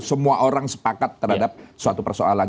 semua orang sepakat terhadap suatu persoalan